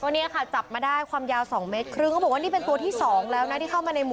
น่ากลัวน้